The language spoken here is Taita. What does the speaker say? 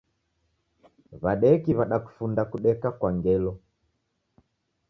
W'adeki w'adakufunda kudeka kwa ngelo.